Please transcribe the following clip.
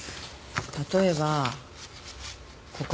例えばここ。